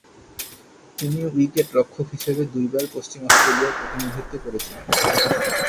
তিনি উইকেট-রক্ষক হিসেবে দুইবার পশ্চিম অস্ট্রেলিয়ার প্রতিনিধিত্ব করেছিলেন।